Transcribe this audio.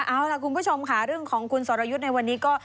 เอาล่ะคุณผู้ชมค่ะเรื่องของคุณสรยุทธ์ในวันนี้ก็